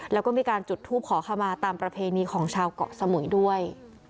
แล้วก็มีการจุดทูปขอขมาตามประเพณีของชาวเกาะสมุยด้วย